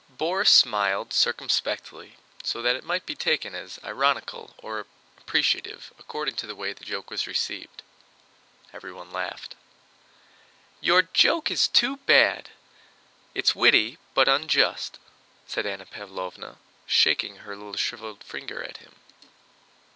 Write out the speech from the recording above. Borís smiled circumspectly, so that it might be taken as ironical or appreciative according to the way the joke was received. Everybody laughed. "Your joke is too bad, it's witty but unjust," said Anna Pávlovna, shaking her little shriveled finger at him.